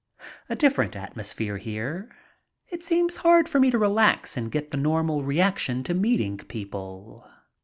A different atmosphere here. It seems hard for me to relax and get the normal reaction to meeting people.